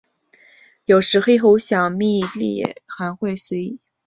有时黑喉响蜜䴕还会跟随一些哺乳动物和鸟类一同捕捉昆虫。